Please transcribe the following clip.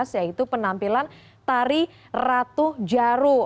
yaitu penampilan tari ratu jaru